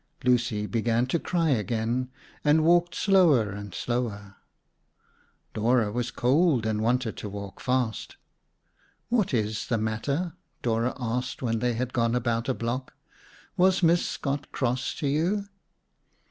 Lucy began to cry again and walked slower and slower. Dora was cold and wanted to walk fast. "What is the matter?" Dora asked when they had gone about a block. "Was Miss Scott cross to you?"